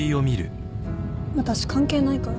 私関係ないから。